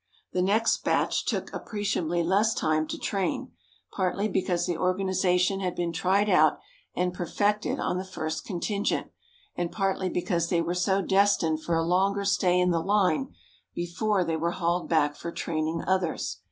The next batch took appreciably less time to train, partly because the organization had been tried out and perfected on the first contingent, and partly because they were destined for a longer stay in the line before they were hauled back for training others.